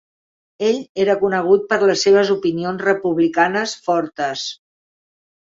Ell era conegut per les seves opinions republicanes fortes.